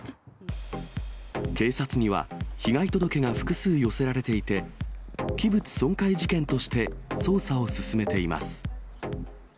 警察には、被害届が複数寄せられていて、器物損壊事件として捜査を進めています。